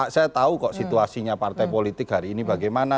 saya tahu kok situasinya partai politik hari ini bagaimana